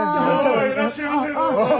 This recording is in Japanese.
いらっしゃいませどうぞ。